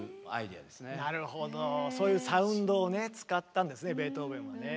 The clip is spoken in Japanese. そういうサウンドをね使ったんですねベートーベンもね。